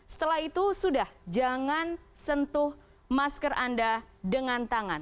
setelah itu sudah jangan sentuh masker anda dengan tangan